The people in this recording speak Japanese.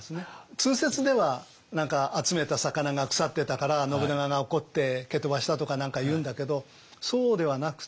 通説では集めた魚が腐ってたから信長が怒って蹴飛ばしたとか何かいうんだけどそうではなくて。